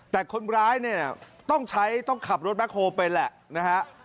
แต่คนร้ายเนี่ยต้องใช้ต้องขับรถแบ็คโฮลไปแหละนะฮะ